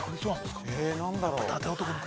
◆何だろう。